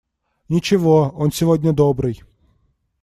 Ничего, он сегодня добрый.